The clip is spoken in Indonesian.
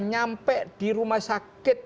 nyampe di rumah sakit